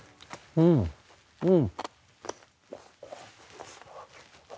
うんうん。